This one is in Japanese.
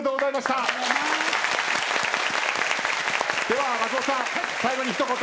では松本さん最後に一言。